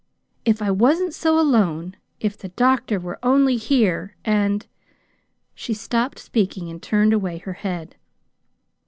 "If I wasn't so alone. If the doctor were only here, and " She stopped speaking and turned away her head.